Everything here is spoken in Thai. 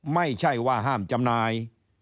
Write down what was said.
ไม่ใช่ว่าห้ามจำหน่าย